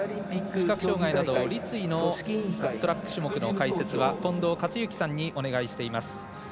視覚障がいなど、立位のトラック種目の解説は近藤克之さんにお願いしております。